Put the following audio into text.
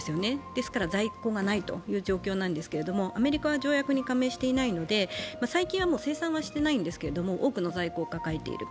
ですから在庫がないという状況なんですけれども、アメリカは条約に加盟していないので、最近はもう生産はしていないんですけど、多くの在庫を抱えている。